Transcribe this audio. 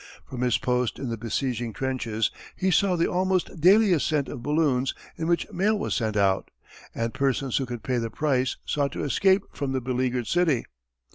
From his post in the besieging trenches he saw the almost daily ascent of balloons in which mail was sent out, and persons who could pay the price sought to escape from the beleaguered city.